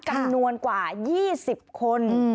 จำนวนกว่า๒๐คน